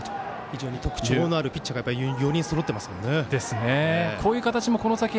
非常に特徴のあるピッチャーが４人そろっていますもんね。